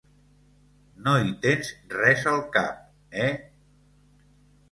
No hi tens res al cap, eh!